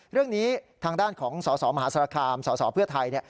เรื่องนี้ทางด้านของสสมหาสารคามสสเพื่อไทย